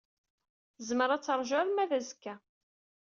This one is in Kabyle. Tezmer ad teṛju arma d azekka.